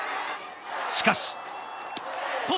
しかし外！